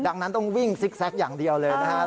ดังนั้นต้องวิ่งซิกแซคอย่างเดียวเลยนะครับ